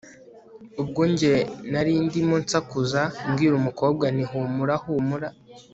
ubwo njye narindimo nsakuza mbwira umukobwa nti humura humura